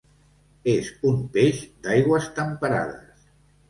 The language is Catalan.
És un peix d'aigües temperades.